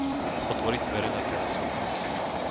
Otvoriť dvere na terasu.